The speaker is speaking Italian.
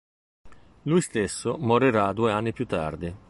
Lui stesso morirà due anni più tardi.